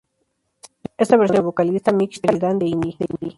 Esta versión cuenta con el vocalista Mick Sheridan, de Hindi.